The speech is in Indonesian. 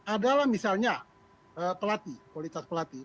adalah misalnya pelatih kualitas pelatih